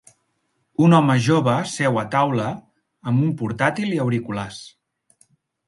Un home jove seu a taula amb un portàtil i auriculars.